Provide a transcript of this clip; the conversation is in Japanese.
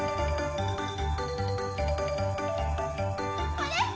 あれ？